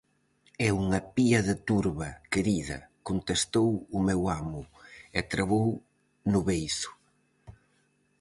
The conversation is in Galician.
-É unha pía de turba, querida -contestou o meu amo, e trabou no beizo.